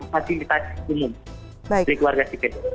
fasilitas umum dari keluarga sipil